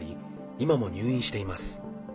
今も入院しています。